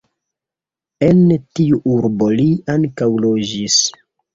En tiu urbo li ankaŭ loĝis.